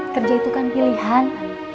kerja itu kan pilihan